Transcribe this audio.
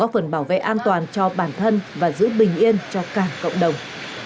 phần bảo vệ an toàn cho bản thân và giữ bình yên cho cả cộng đồng